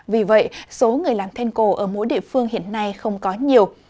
vì vậy số người làm then cổ ở mỗi địa phương hiện nay không có nhiều